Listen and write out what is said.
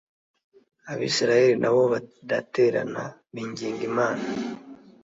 Abisirayeli na bo baraterana binginga Imana